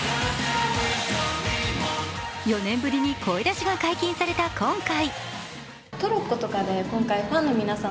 ４年ぶりに声出しが解禁された今回。